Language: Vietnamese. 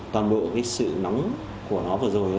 toàn bộ cái sự nóng của nó vừa rồi